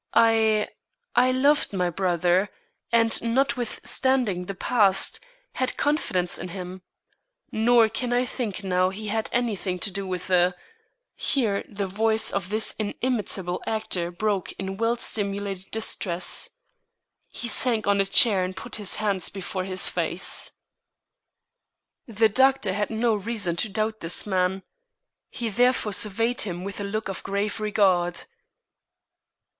I I loved my brother, and notwithstanding the past, had confidence in him. Nor can I think now he had any thing to do with the " Here the voice of this inimitable actor broke in well simulated distress. He sank on a chair and put his hands before his face. The doctor had no reason to doubt this man. He therefore surveyed him with a look of grave regard.